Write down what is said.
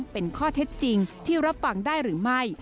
เป็นข้อเท็จจริงที่รับฟังได้หรือไม่